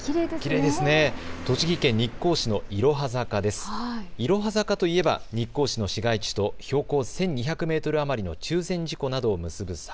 いろは坂と言えば日光市の市街地と標高１２００メートル余りの中禅寺湖などを結ぶ坂。